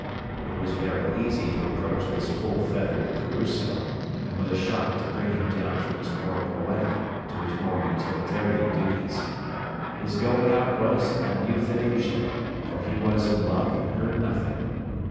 It was very easy to approach this full feathered Caruso and with a shot to bring him down from his more poetic to his more utilitarian duties. His going out was an euthanasia, for he was in love and heard nothing.